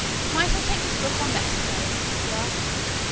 "Might I take this book on Mexico?" he asked.